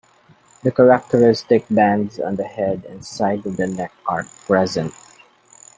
The characteristic bands on the head and side of the neck arc present.